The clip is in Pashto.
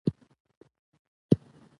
او د انگریزانو په خلاف د مجاهدینو قوماندان